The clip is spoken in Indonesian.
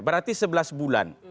berarti sebelas bulan